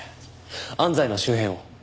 安西の周辺を。